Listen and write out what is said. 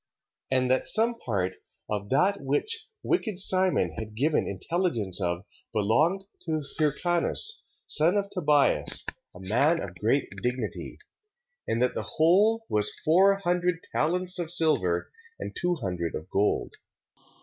And that some part of that which wicked Simon had given intelligence of belonged to Hircanus, son of Tobias, a man of great dignity; and that the whole was four hundred talents of silver, and two hundred of gold.